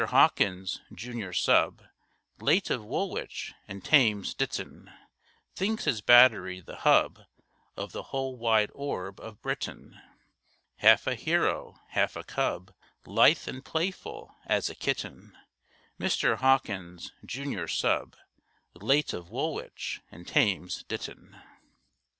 Hawkins, Junior Sub., Late of Woolwich and Thames Ditton, Thinks his battery the hub Of the whole wide orb of Britain. Half a hero, half a cub, Lithe and playful as a kitten, Mr. Hawkins, Junior Sub., Late of Woolwich and Thames Ditton.